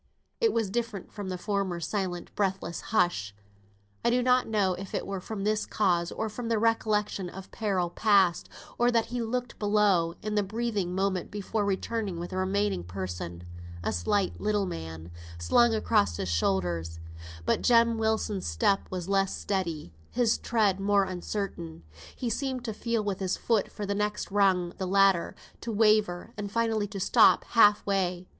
It was different from the former silent breathless hush. I do not know if it were from this cause, or from the recollection of peril past, or that he looked below, in the breathing moment before returning with the remaining person (a slight little man) slung across his shoulders, but Jem Wilson's step was less steady, his tread more uncertain; he seemed to feel with his foot for the next round of the ladder, to waver, and finally to stop half way.